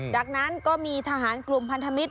จากนั้นก็มีทหารกลุ่มพันธมิตร